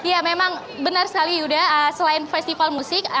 ya memang benar sekali yuda selain festival musik